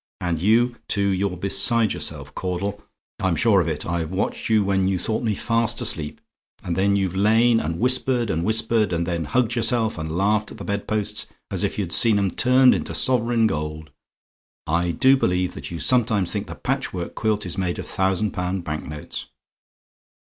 And you, too you're beside yourself, Caudle I'm sure of it. I've watched you when you thought me fast asleep. And then you've lain, and whispered and whispered, and then hugged yourself, and laughed at the bed posts, as if you'd seen 'em turned to sovereign gold. I do believe that you sometimes think the patchwork quilt is made of thousand pound bank notes.